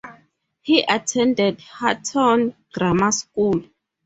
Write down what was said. He attended Hutton Grammar School.